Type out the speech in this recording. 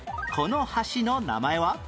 この橋の名前は？